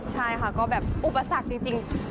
ใช่ค่ะก็แบบอุปสรรคจริง